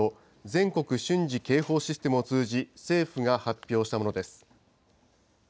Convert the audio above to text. ・全国瞬時警報システムを通じ、政府が発表したものです。